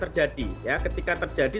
terjadi ketika terjadi